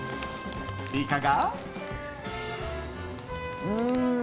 いかが？